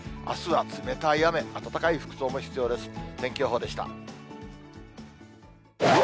あすは冷たい雨、暖かい服装も必要です。